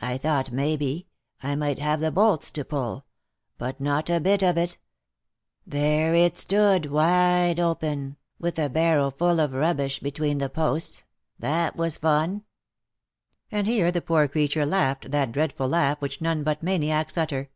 I thought maybe, I might have the bolts to pull., but not a bit of it — there it stood wide open, with a barrow full of rubbish between the posts — that was fun !" And here the poor creature laughed that dreadful laugh which none but maniacs utter.